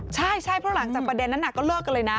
ใช่ใช่เพราะหลังจากประเด็นนั้นก็เลิกกันเลยนะ